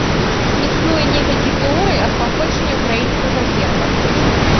Існуе некалькі тэорый аб паходжанні ўкраінскага герба.